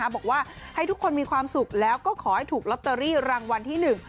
บอกว่าให้ทุกคนมีความสุขแล้วก็ขอให้ถูกลอตเตอรี่รางวัลที่หนึ่ง